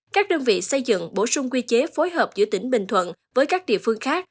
các đơn vị xây dựng bổ sung quy chế phối hợp giữa tỉnh bình thuận với các địa phương khác